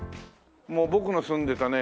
もう僕の住んでたね